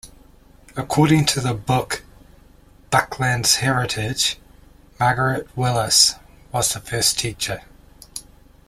According to the book, "Buckland's Heritage," Margaret Willis was the first teacher.